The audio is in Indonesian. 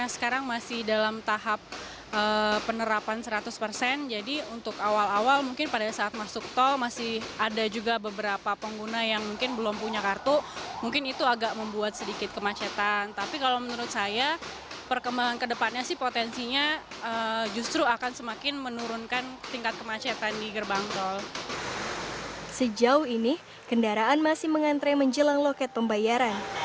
sejauh ini kendaraan masih mengantre menjelang loket pembayaran